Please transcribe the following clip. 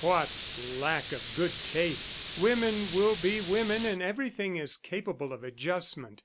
What lack of good taste! ... Women will be women, and everything is capable of adjustment.